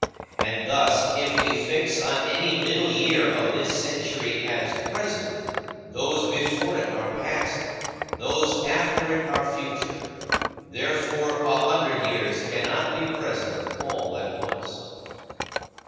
And thus, if we fix on any middle year of this century as present, those before it are past, those after it are future. Therefore, a hundred years cannot be present all at once.